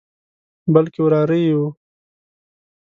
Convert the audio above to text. بلکې وراره یې وو.